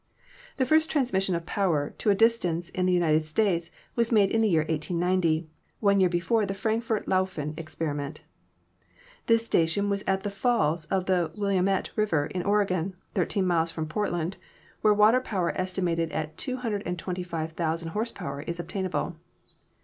The first transmission of power to a distance in the United States was made in the year 1890, one year before the Frankfort Lauffen experiment. This station is at the falls of the Willamette River in Oregon, thirteen miles from Portland, where water power estimated at 225,000 horse power is obtainable.